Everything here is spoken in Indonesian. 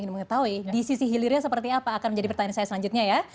mengetahui di sisi hilirnya seperti apa akan menjadi pertanyaan saya selanjutnya ya